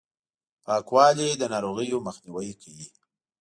پاکوالي، د ناروغیو مخنیوی کوي!